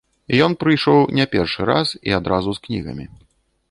Ён прыйшоў не першы раз, і адразу з кнігамі.